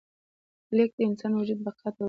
لیک د انسان وجود بقا ته وړي.